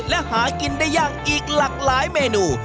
และหากินได้ยากอีกหลากหลายเมนู